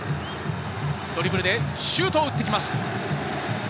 ドリブルでシュートを打ってきます。